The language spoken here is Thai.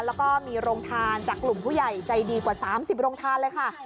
แล้วก็มีโรงทานจากกลุ่มผู้ใหญ่ใจดีกว่า๓๐โรงทานเลยค่ะ